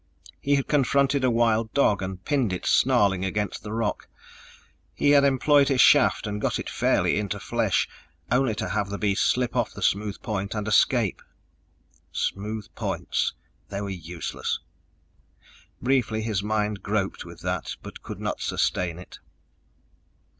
He had confronted a wild dog and pinned it snarling against rock, he had employed his shaft and got it fairly into flesh, only to have the beast slip off the smooth point and escape. Smooth points they were useless! Briefly, his mind groped with that but could not sustain it.